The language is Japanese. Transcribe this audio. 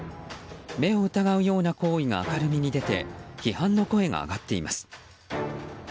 目を疑うような行為が明るみに出て批判の声が上がっています。